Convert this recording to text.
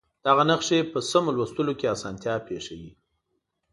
دغه نښې په سمو لوستلو کې اسانتیا پېښوي.